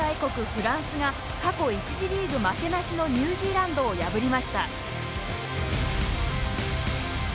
フランスが過去１次リーグ負けなしのニュージーランドを破りました